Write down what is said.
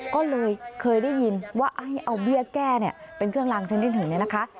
ก็เลยเคยได้ยินว่าให้เอาเบี้ยแก้เนี่ยเป็นเครื่องลางชนิดหนึ่งเนี่ยนะคะ